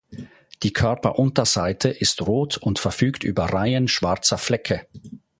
Die Körperunterseite ist rot und verfügt über Reihen schwarzer Flecke.